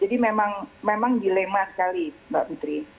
jadi memang dilema sekali mbak fitri